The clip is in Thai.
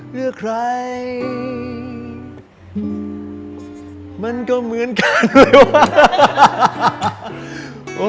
เพื่อใครมันก็เหมือนกันเลยว่า